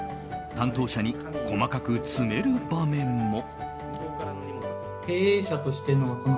担当者に細かく詰める場面も。